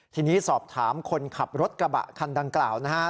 ทีนี้สอบถามคนขับรถกระบะคันดังกล่าวนะฮะ